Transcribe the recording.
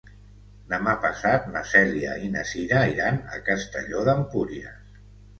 Demà passat na Cèlia i na Cira iran a Castelló d'Empúries.